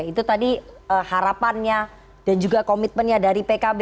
itu tadi harapannya dan juga komitmennya dari pkb